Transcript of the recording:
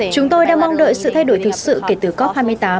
chúng tôi đang mong đợi sự thay đổi thực sự kể từ cop hai mươi tám